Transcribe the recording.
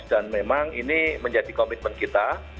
dan memang ini menjadi komitmen kita